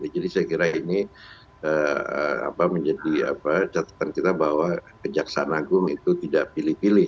jadi saya kira ini menjadikan kita bahwa kejaksaan agung itu tidak pilih pilih